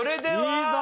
いいぞ！